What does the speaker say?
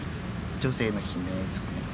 女性の悲鳴ですね。